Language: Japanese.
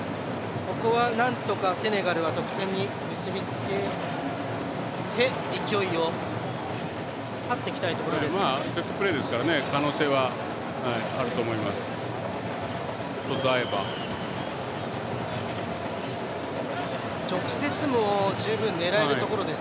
ここはなんとかセネガルは得点に結び付けて勢いを絶っていきたいところです。